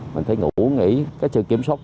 mình thấy ngủ nghỉ cái sự kiểm soát